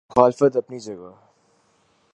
مخالفت اپنی جگہ۔